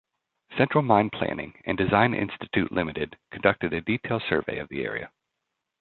Central Mine Planning and Design Institute Limited conducted a detailed survey of the area.